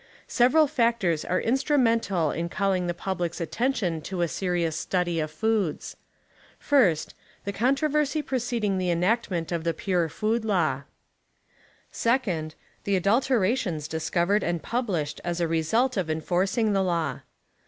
Several factors were in strumental in calling the public's attention to a serious study of foods : First, the {•(>ntr()\ crsy j)re(cding tlie enactment of tlic Pure Food Law. 'Second, the adulterations discovered and published as a residt of enforcing the law.